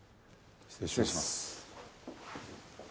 失礼します。